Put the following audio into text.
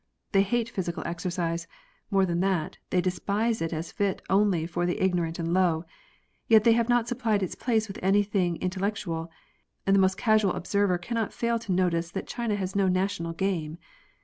They hate physical exercise; more than that, they despise it as fit only for the ignorant and low. Yet they have not supplied its place with anything intel lectual, and the most casual observer cannot fail to notice that China has no national game.